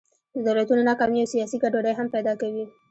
د دولتونو ناکامي او سیاسي ګډوډۍ هم پیدا کوي.